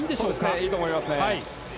いいと思いますね。